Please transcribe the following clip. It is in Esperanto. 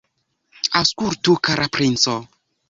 Aŭskultu, kara princo!